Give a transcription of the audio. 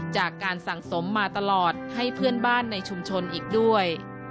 จากการสั่งสมมาตลอดให้เพื่อนบ้านในชุมชนอีกด้วย